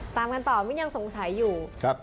ตามกันต่อมิ้นยังสงสัยอยู่